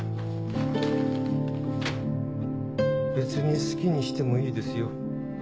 別に好きにしてもいいですよ。